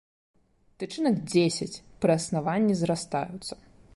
Тычынак дзесяць, пры аснаванні зрастаюцца.